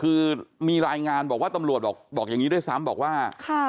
คือมีรายงานบอกว่าตำรวจบอกอย่างนี้ด้วยซ้ำบอกว่า